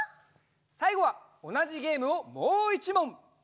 さいごはおなじゲームをもう１もん！